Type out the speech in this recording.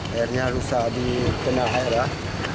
airnya rusak dikena air lah